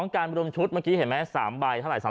๒การบิดลมชุดเห็นไหม๓ใบ๓๓๐บาท